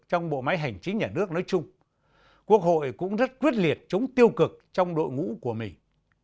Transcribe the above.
trong bộ máy hành chính nhà nước nói chung quốc hội cũng rất quyết liệt chống tiêu cực trong đội ngũ của mình